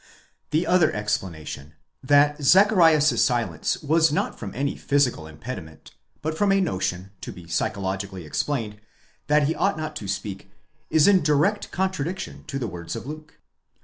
The other explanation : that Zacharias's silence was not from any physical impediment, but from a notion, to be psychologically explained, that he ought not to speak, is in direct contradiction to the words of Luke.